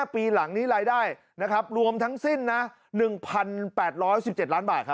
ปีหลังนี้รายได้รวมทั้งสิ้น๑๘๑๗ล้านบาท